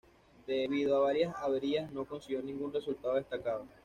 Debido a varias averías no consiguió ningún resultado destacado.